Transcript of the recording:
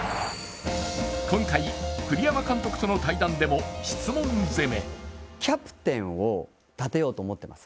今回、栗山監督との対談でも質問攻め。